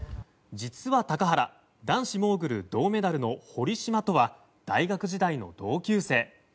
実は高原男子モーグル銅メダルの堀島とは大学時代の同級生。